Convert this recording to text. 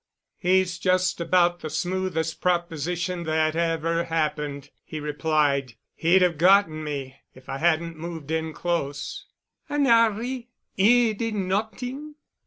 "He's just about the smoothest proposition that ever happened," he replied. "He'd have gotten me, if I hadn't moved in close." "An' 'Arry——? 'E did not'ing?"